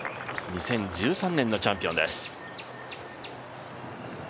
２０１３年のチャンピオンです。